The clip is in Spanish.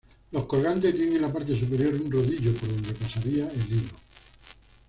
Los colgantes tienen en la parte superior un rodillo por donde pasaría el hilo.